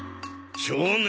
少年。